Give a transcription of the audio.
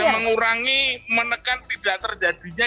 mengurangi menekan tidak terjadinya